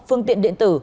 phương tiện điện tử